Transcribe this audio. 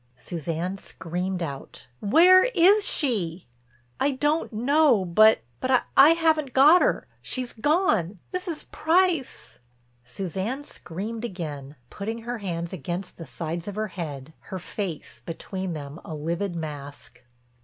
Suzanne screamed out: "Where is she?" "I don't know—but—but—I haven't got her—she's gone. Mrs. Price—" Suzanne screamed again, putting her hands against the sides of her head, her face, between them, a livid mask.